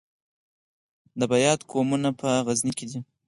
د بیات قومونه په غزني کې دي